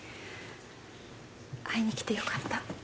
会いに来てよかった。